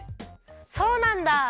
そうなんだ！